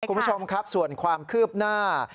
คุณผู้ชมครับส่วนความคืบหน้า